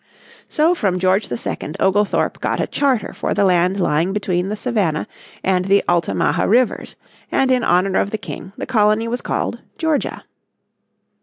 So from George II Oglethorpe got a charter for the land lying between the Savannah and the Altamaha rivers, and in honour of the King the colony was called Georgia.